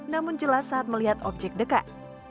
namun jelas saat melihat objek dekat